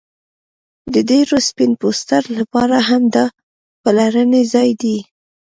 د ډیرو سپین پوستو لپاره هم دا پلرنی ځای دی